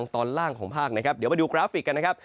บริเวณทางตอนล่างของภาคนั้นครับเดี๋ยวมาดูกราฟิกกันนะครับ